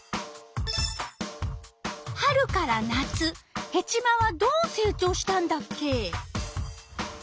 春から夏ヘチマはどう成長したんだっけ？